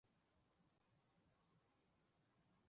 甚至逐渐再次长出彗尾。